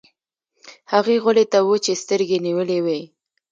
هغې غولي ته وچې سترګې نيولې وې.